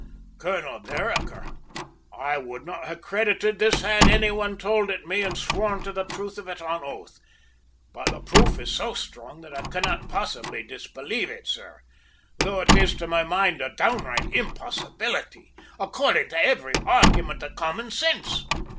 "Colonel Vereker, I would not have credited this had any one told it me and sworn to the truth of it on oath, but the proof is so strong that I cannot possibly disbelieve it, sir, though it is to my mind a downright impossibility according to every argument of common sense.